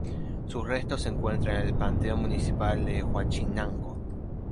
Sus restos se encuentran en el Panteón Municipal de Huauchinango.